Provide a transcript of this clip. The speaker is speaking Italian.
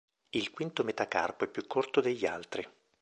Il quinto metacarpo è più corto degli altri.